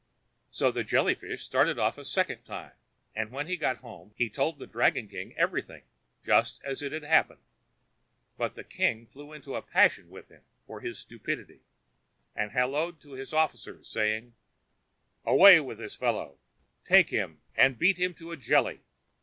So the Jelly fish started off a second time, and when he got home he told the dragon king everything just as it had happened. But the king flew into a passion with him for his stupidity, and hallooed to his officers, saying: "Away with this fellow! Take him, and beat him to a jelly!